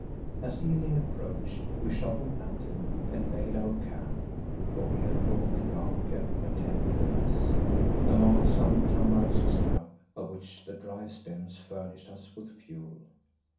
As evening approached we shot an antelope and made our camp for we had brought the yak and a tent with us among some tamarisk scrub, of which the dry stems furnished us with fuel.